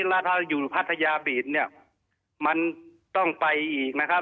แล้วถ้าอยู่พัทยาบีดเนี่ยมันต้องไปอีกนะครับ